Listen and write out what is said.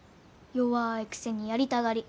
弱いくせにやりたがり。